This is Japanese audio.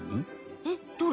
えっどれ？